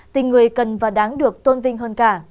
tình người cần và đáng được tôn vinh hơn cả